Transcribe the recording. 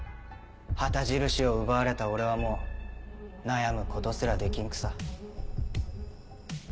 旗印を奪われた俺はもう悩むことすらできんくさ。